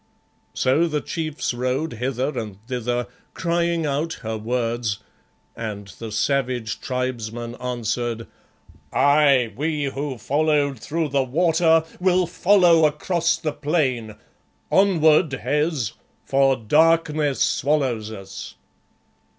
So the chiefs rode hither and thither, crying out her words, and the savage tribesmen answered "Aye, we who followed through the water, will follow across the plain. Onward, Hes, for darkness swallows us."